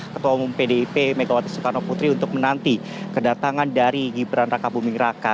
ketua umum pdip megawati soekarno putri untuk menanti kedatangan dari gibran raka buming raka